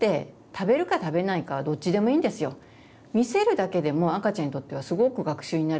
見せるだけでも赤ちゃんにとってはすごく学習になるんですね。